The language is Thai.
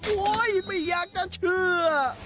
โอ้ยไม่อยากจะเชื่อ